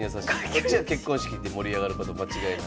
こっちは結婚式で盛り上がること間違いない。